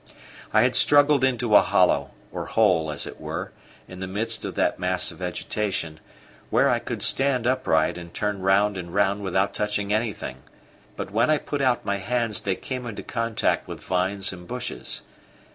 I had struggled into a hollow, or hole, as it were, in the midst of that mass of vegetation, where I could stand upright and turn round and round without touching anything; but when I put out my hands they came into contact with vines and bushes.